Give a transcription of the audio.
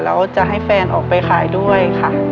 แล้วจะให้แฟนออกไปขายด้วยค่ะ